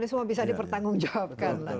semua bisa dipertanggung jawabkan